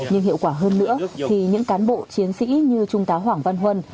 nhưng hiệu quả hơn nữa thì những cán bộ chiến sĩ như trung tá hoàng văn huân